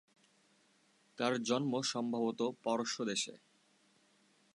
তার জন্ম সম্ভবত পারস্য দেশে।